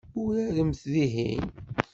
Uraremt dihin.